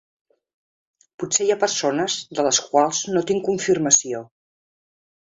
Potser hi ha persones de les quals no tinc confirmació.